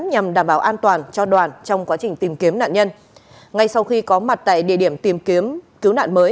nhằm đảm bảo an toàn cho đoàn trong quá trình tìm kiếm nạn nhân